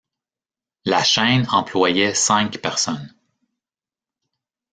La chaîne employait cinq personnes.